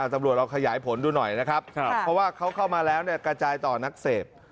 ตำรวจเราขยายผลดูหน่อยนะครับเพราะว่าเขาเข้ามาแล้วกระจายต่อนักเสพ